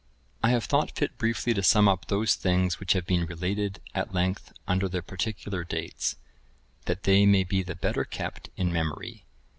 I have thought fit briefly to sum up those things which have been related at length under their particular dates, that they may be the better kept in memory.